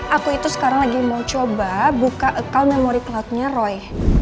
aku itu sekarang lagi mau coba buka account memori cloudnya roy